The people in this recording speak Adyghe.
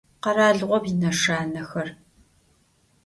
Kheralığom yineşşanexer.